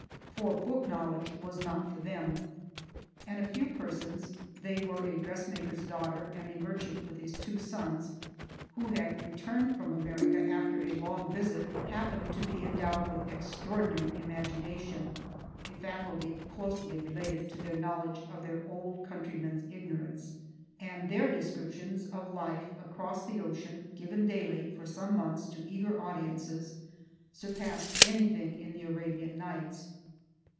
For book knowledge was not for them; and a few persons they were a dressmaker's daughter, and a merchant with his two sons who had returned from America after a long visit, happened to be endowed with extraordinary imagination, (a faculty closely related to their knowledge of their old country men's ignorance), and their descriptions of life across the ocean, given daily, for some months, to eager audiences, surpassed anything in the Arabian Nights.